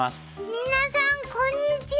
皆さんこんにちは。